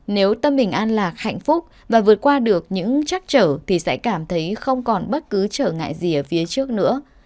nếu tâm mình an lạc hạnh phúc và vượt qua được những trắc trở thì sẽ cảm thấy không còn bất cứ trở ngại gì ở phía trước nữa